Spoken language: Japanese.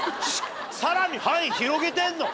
さらに範囲広げてんの？